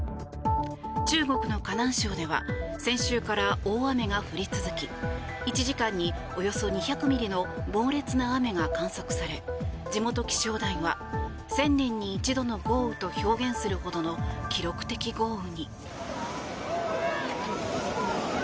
中国の河南省では先週から大雨が降り続き１時間におよそ２００ミリの猛烈な雨が観測され地元気象台は１０００年に一度の豪雨と表現するほどの記録的豪雨に。